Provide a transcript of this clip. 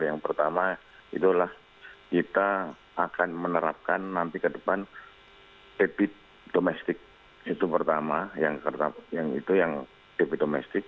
yang pertama itulah kita akan menerapkan nanti ke depan debit domestik itu pertama yang itu yang debit domestik